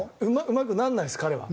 うまくならないです彼は。